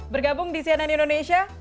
bergabung di cnn indonesia